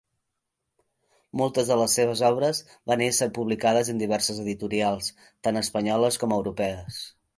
Moltes de les seves obres van ésser publicades en diverses editorials tant espanyoles com europees.